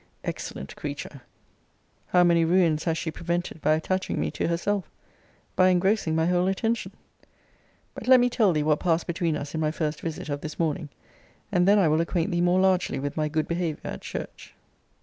Excellent creature! How many ruins has she prevented by attaching me to herself by engrossing my whole attention. But let me tell thee what passed between us in my first visit of this morning; and then I will acquaint thee more largely with my good behaviour at church.